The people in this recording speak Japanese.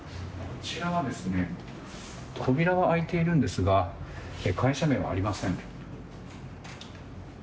こちらは扉は開いているんですが会社名はありません。